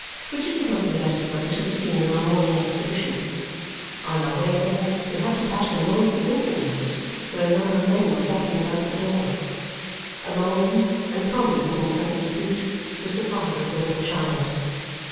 Richard accompanied us at night to the scene of our morning expedition. On our way there, we had to pass a noisy drinking house, where a number of men were flocking about the door. Among them, and prominent in some dispute, was the father of the little child.